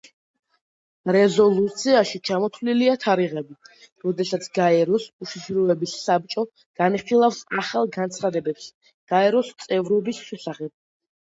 რეზოლუციაში ჩამოთვლილია თარიღები, როდესაც გაეროს უშიშროების საბჭო განიხილავს ახალ განცხადებებს გაეროს წევრობის შესახებ.